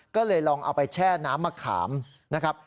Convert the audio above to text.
ก็เลยลองเอาไปแช่น้ำมะขามนะครับ